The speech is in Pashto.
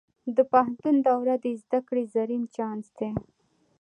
د پوهنتون دوره د زده کړې زرین چانس دی.